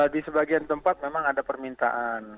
di sebagian tempat memang ada permintaan